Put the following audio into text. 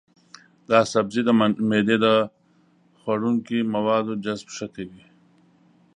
دا سبزی د معدې د خوړنکي موادو جذب ښه کوي.